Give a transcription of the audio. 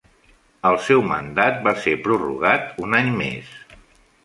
El seu mandat va ser prorrogat un any més.